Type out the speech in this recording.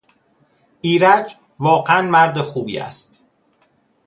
ایرج واقعا مردخوبی است.